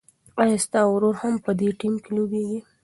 ایا ستا ورور هم په دې ټیم کې لوبېږي؟